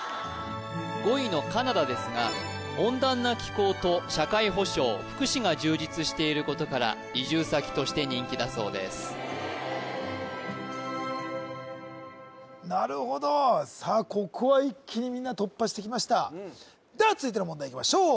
５位のカナダですが温暖な気候と社会保障福祉が充実していることから移住先として人気だそうですなるほどさあここは一気にみんな突破してきましたでは続いての問題いきましょう